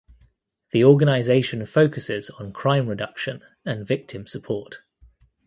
The organization focuses on crime reduction and victim support.